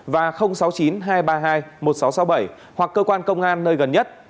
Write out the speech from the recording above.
và sáu mươi chín hai trăm ba mươi hai một nghìn sáu trăm sáu mươi bảy hoặc cơ quan công an nơi gần nhất